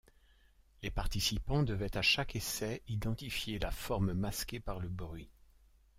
Les participants devaient à chaque essai identifier la forme masquée par le bruit.